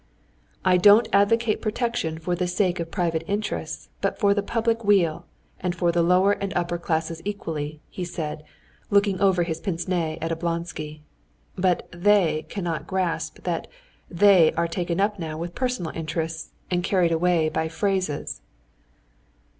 "I don't advocate protection for the sake of private interests, but for the public weal, and for the lower and upper classes equally," he said, looking over his pince nez at Oblonsky. "But they cannot grasp that, they are taken up now with personal interests, and carried away by phrases."